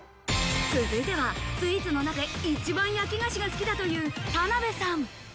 続いてはスイーツの中で一番焼菓子が好きだという田辺さん。